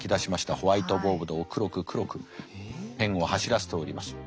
ホワイトボードを黒く黒くペンを走らせております。